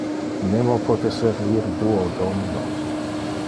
Nemo pote servir duo dominos.